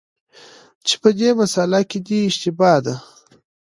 چي په دې مسأله کي دی اشتباه دی،